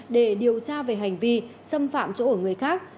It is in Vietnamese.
để điều tra về hành vi xâm phạm chỗ ở người khác